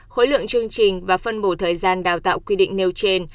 khối lượng chương trình và phân bổ thời gian đào tạo quy định nêu trên